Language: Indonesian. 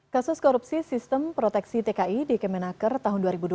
kasus korupsi sistem proteksi tki di kemenaker tahun dua ribu dua puluh